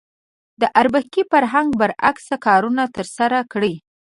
د اربکي فرهنګ برعکس کارونه ترسره کړي.